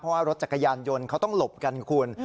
เพราะว่ารถจักรยานยนต์เขาต้องหลบกันคุณ